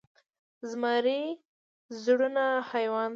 زمری زړور حيوان دی.